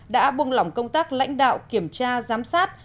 đã buông lỏng công tác lãnh đạo kiểm tra giám sát